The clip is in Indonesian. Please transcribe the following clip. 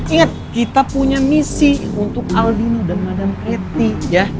ingat kita punya misi untuk aldina dan madam pretty ya